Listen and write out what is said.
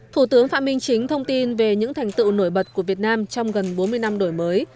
thủ tướng phạm minh chính thông tin về những thành tựu nổi bật của việt nam trong gần bốn mươi năm đổi mới